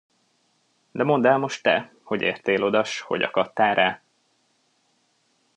De mondd el most te, hogy értél oda, s hogy akadtál rá.